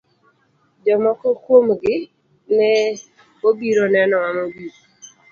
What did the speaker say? Jomoko kuomgi ne obiro nenowa mogik.